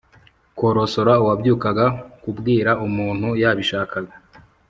korosora uwabyukaga kubwira umuntu yabishakaga